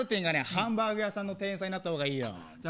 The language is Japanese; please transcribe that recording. ハンバーグ屋さんの店員になった方がいいよ。